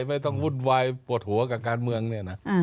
ไม่ต้องวุ่นวายปวดหัวกับการเมืองเนี่ยนะ